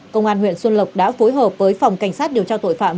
công an huyện xuân lộc đã phối hợp với phòng cảnh sát điều tra tội phạm